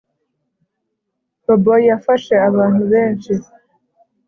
bobo yafashe abantu benshi